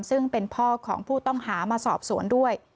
ซึ่งเป็นพ่อของผู้ต้องหามาสอบสวนด้วย